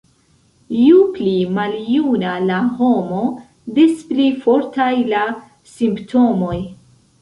Ju pli maljuna la homo, des pli fortaj la simptomoj.